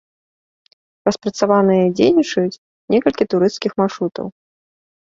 Распрацаваныя і дзейнічаюць некалькі турысцкіх маршрутаў.